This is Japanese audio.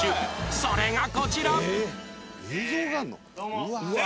それがこちら